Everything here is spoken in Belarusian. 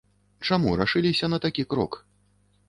Чаму рашыліся на такі крок?